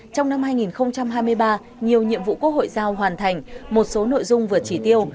trong năm hai nghìn hai mươi ba nhiều nhiệm vụ quốc hội giao hoàn thành một số nội dung vượt chỉ tiêu